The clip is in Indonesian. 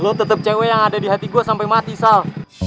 lo tetap cewek yang ada di hati gue sampai mati soal